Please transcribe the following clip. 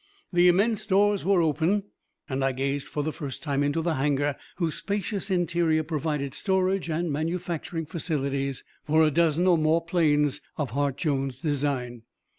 The immense doors were open, and I gazed for the first time into the hangar whose spacious interior provided storage and manufacturing facilities for a dozen or more planes of Hart Jones' design.